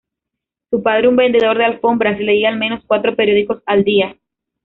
Su padre, un vendedor de alfombras, leía al menos cuatro periódicos al día.